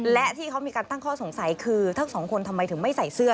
และที่เขามีการตั้งข้อสงสัยคือทั้งสองคนทำไมถึงไม่ใส่เสื้อ